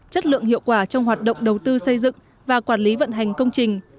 chất lượng hiệu quả trong hoạt động đầu tư xây dựng và quản lý vận hành công trình